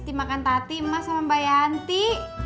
dimakan tati mas sama mbak yanti